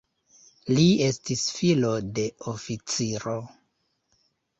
Li estis filo de oficiro.